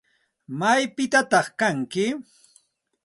¿Maypitataq kanki?